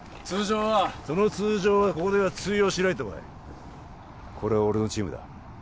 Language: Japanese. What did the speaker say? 通常はその通常はここでは通用しないと思えこれは俺のチームだ